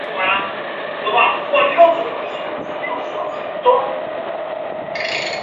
三女释宽谦则致力于推广佛教艺术。